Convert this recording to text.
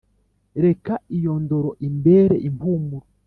Reka iyo ndoro imbere impumuro